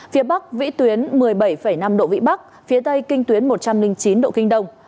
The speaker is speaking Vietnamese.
phía bắc vĩ tuyến một mươi bảy năm độ vĩ bắc phía tây kinh tuyến một trăm linh chín độ kinh đông